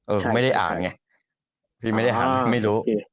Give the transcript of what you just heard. เออไม่ได้อ่านไงพี่ไม่ได้อ่าน